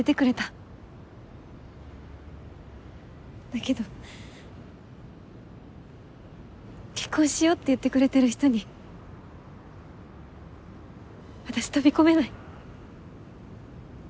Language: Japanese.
だけど結婚しようって言ってくれてる人に私飛び込めない。